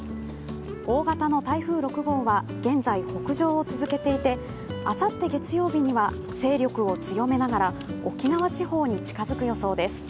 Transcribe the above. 大型の台風６号は現在北上を続けていてあさって月曜日には勢力を強めながら沖縄地方に近づく予想です。